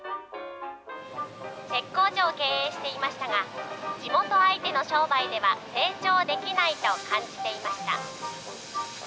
鉄工所を経営していましたが、地元相手の商売では成長できないと感じていました。